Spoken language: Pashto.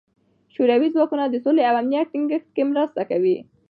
شوروي ځواکونه د سولې او امنیت ټینګښت کې مرسته کوي.